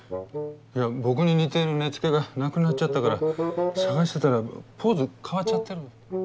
いや僕に似ている根付がなくなっちゃったから捜してたらポーズ変わっちゃってるの。